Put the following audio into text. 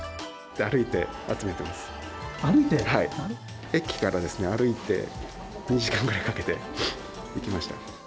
はい、駅からですね、歩いて２時間ぐらいかけて来ました。